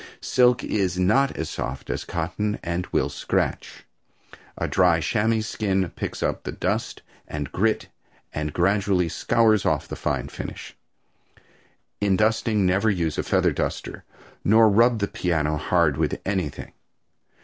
Silk is not as soft as cotton and will scratch. A dry chamois skin picks up the dust and grit and gradually scours off the fine finish. In dusting never use a feather duster, nor rub the piano hard with anything.